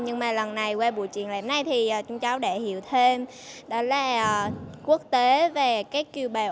nhưng mà lần này qua buổi triển lãm này thì chúng cháu đã hiểu thêm đó là quốc tế về các kiều bào